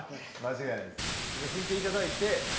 拭いていただいて。